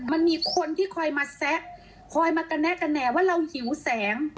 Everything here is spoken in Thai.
มันมีคนที่คอยมาแซะคอยมากระแนะกระแหนกว่าเราหิวแสง